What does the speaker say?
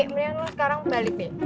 mendingan lo sekarang balik deh